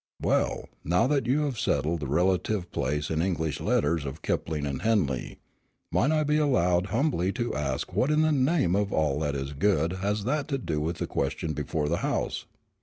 "Well, now that you have settled the relative place in English letters of Kipling and Henley, might I be allowed humbly to ask what in the name of all that is good has that to do with the question before the house?"